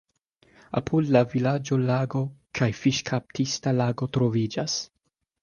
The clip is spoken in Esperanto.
Apud la vilaĝo lago kaj fiŝkaptista lago troviĝas.